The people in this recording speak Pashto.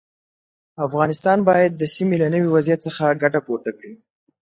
افغانستان باید د سیمې له نوي وضعیت څخه ګټه پورته کړي.